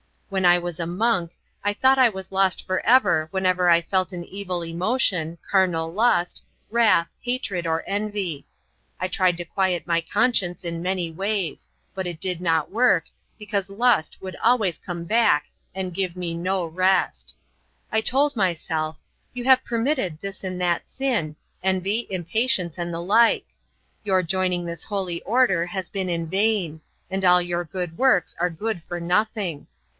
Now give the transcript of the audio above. When I was a monk I thought I was lost forever whenever I felt an evil emotion, carnal lust, wrath, hatred, or envy. I tried to quiet my conscience in many ways, but it did not work, because lust would always come back and give me no rest. I told myself: "You have permitted this and that sin, envy, impatience, and the like. Your joining this holy order has been in vain, and all your good works are good for nothing."